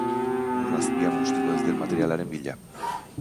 Ur azpian bustiko ez den materialaren bila.